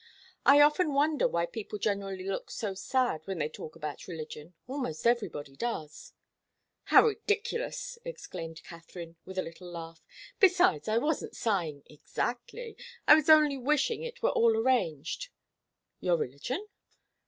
"I often wonder why people generally look so sad when they talk about religion. Almost everybody does." "How ridiculous!" exclaimed Katharine, with a little laugh. "Besides, I wasn't sighing, exactly I was only wishing it were all arranged." "Your religion?"